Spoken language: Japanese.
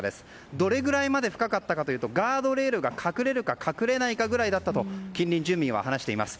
どれぐらいまで高かったかというとガードレールが、隠れるか隠れないかくらいだったと近隣住民は話しています。